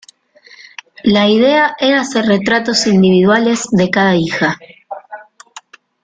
La idea era hacer retratos individuales de cada hija.